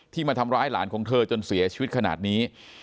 มาทำร้ายหลานของเธอจนเสียชีวิตขนาดนี้